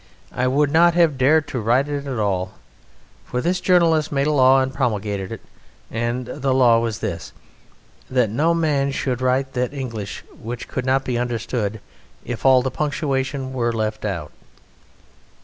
I would not have dared to write it at all! For this journalist made a law and promulgated it, and the law was this: that no man should write that English which could not be understood if all the punctuation were left out.